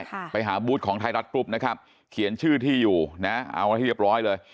ไปหาบูธของไทยรัฐกรุ๊ปนะครับเขียนชื่อที่อยู่นะเอามาให้เรียบร้อยเลย